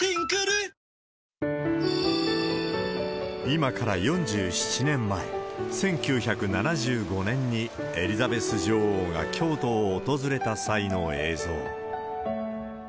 今から４７年前、１９７５年にエリザベス女王が京都を訪れた際の映像。